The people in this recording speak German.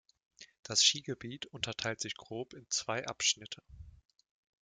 Das Skigebiet unterteilt sich grob in zwei Abschnitte.